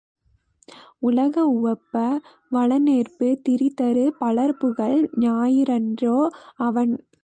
உலகம் உவப்ப வலனேர்பு திரிதரு பலர்புகழ் ஞாயிறன்றோ அவன்?